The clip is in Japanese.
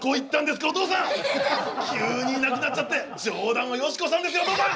急にいなくなっちゃって冗談はヨシコさんですよお父さん！